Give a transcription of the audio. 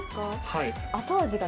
はい。